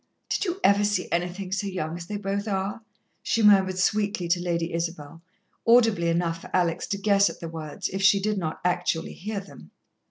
"Did you ever see anything so young as they both are?" she murmured sweetly to Lady Isabel, audibly enough for Alex to guess at the words, if she did not actually hear them.